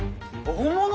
本物？